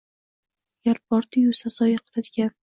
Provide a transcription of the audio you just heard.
Agar bordi-yu sazoyi qiladigan